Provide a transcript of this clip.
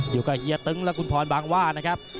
เฮียตึ้งและคุณพรบางว่านะครับ